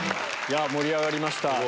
盛り上がりました。